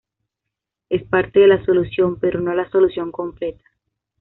Es parte de la solución, pero no la solución completa.